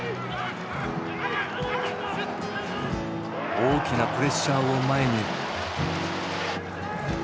大きなプレッシャーを前に。